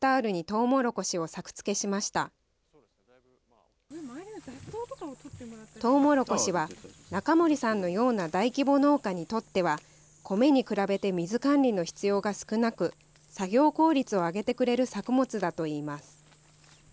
トウモロコシは中森さんのような大規模農家にとっては、米に比べて水管理の必要が少なく、作業効率を上げてくれる作物だといいます。